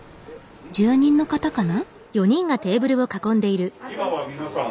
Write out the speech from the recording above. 住人の方かな？